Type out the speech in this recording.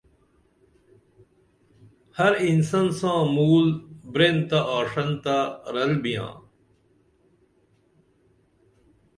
ہر انسن ساں مُول برین تہ آݜنتہ رل بیاں